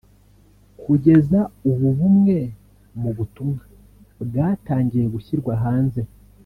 Kugeza ubu bumwe mu butumwa bwatangiye gushyirwa hanze